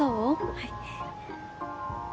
はい。